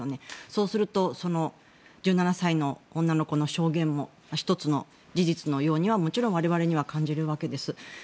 そうすると１７歳の女の子の証言も１つの事実のようには、もちろん我々には感じるわけです。